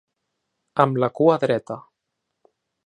Amb la cua dreta.